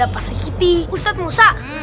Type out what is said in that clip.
pak sikiti ustadz musa